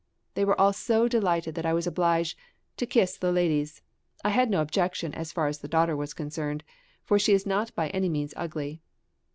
They were all so delighted that I was obliged to kiss the ladies! I had no objection as far as the daughter was concerned, for she is not by any means ugly."